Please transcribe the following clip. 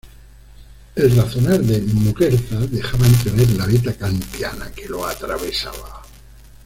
El razonar de Muguerza dejaba entrever la veta kantiana que lo atravesaba.